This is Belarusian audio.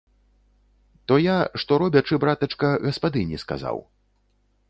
То я, што робячы, братачка, гаспадыні сказаў.